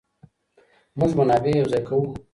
موږ منابع يو ځای کوو.